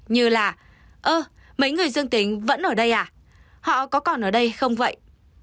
như là ơ mấy người dương tính vẫn ở đây à họ có còn ở đây không vậy